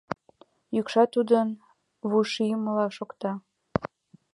Йӱкшат тудын вуйшиймылак шокта.